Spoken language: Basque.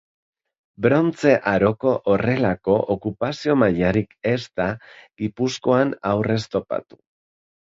Brontze Aroko horrelako okupazio mailarik ez da Gipuzkoan aurrez topatu.